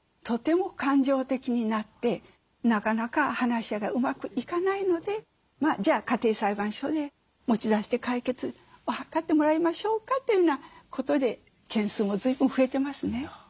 とても感情的になってなかなか話し合いがうまくいかないのでじゃあ家庭裁判所へ持ち出して解決を図ってもらいましょうかというようなことで件数も随分増えてますね。